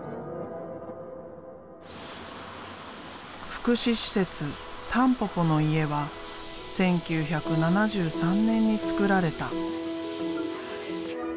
福祉施設「たんぽぽの家」は１９７３年につくられた。